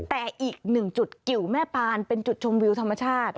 แต่อีกหนึ่งจุดกิวแม่ปานเป็นจุดชมวิวธรรมชาติ